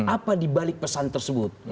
apa dibalik pesan tersebut